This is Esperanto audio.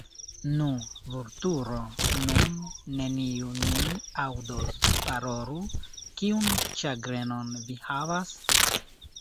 Nu, Vulturo, nun neniu nin aŭdos, parolu: kiun ĉagrenon vi havas?